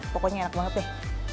pokoknya enak banget deh